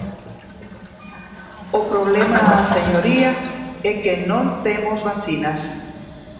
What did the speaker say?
O problema, señoría, é que non temos vacinas.